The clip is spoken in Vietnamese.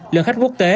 lượng khách quốc tế